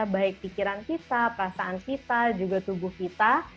baik pikiran kita perasaan kita juga tubuh kita